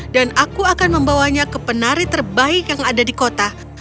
dan aku akan membawanya ke penari terbaik yang ada di kota